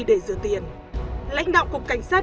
để rửa tiền lãnh đạo cục cảnh sát